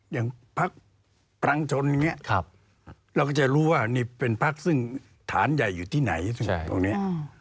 อย่างพักปรังชนอย่างนี้เราก็จะรู้ว่านี่เป็นพักซึ่งฐานใหญ่อยู่ที่ไหนตรงนี้